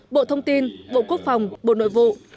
bộ thông tin bộ quốc phòng bộ nội vụ